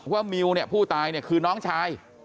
มิวเนี่ยผู้ตายเนี่ยคือน้องชาย